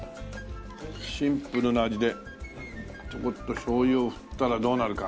シンプルな味でちょこっとしょう油を振ったらどうなるか？